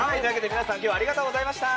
皆さん、今日はありがとうございました。